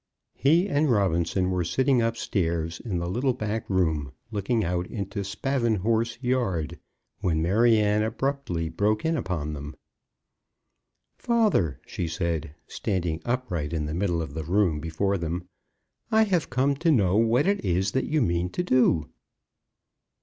He and Robinson were sitting upstairs in the little back room looking out into Spavinhorse Yard, when Maryanne abruptly broke in upon them. "Father," she said, standing upright in the middle of the room before them, "I have come to know what it is that you mean to do?"